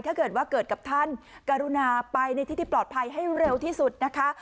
ถ้าเกิดว่าเกิดกับท่านกรุณาไปในที่ที่ปลอดภัยให้เร็วที่สุดนะคะ